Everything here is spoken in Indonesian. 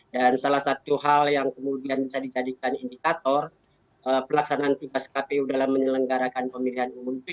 salah satu hal yang kemudian bisa dijadikan indikator pelaksanaan tugas kpu dalam menyelenggarakan pemilihan umum p tiga